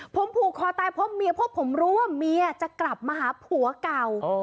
ผมผูกคอตายเพราะเมียเพราะผมรู้ว่าเมียจะกลับมาหาผัวเก่า